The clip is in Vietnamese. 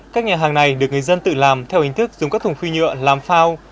các nhà hàng này được người dân tự làm theo hình thức dùng các thùng phi nhựa làm phao